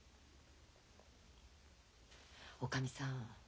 おかみさん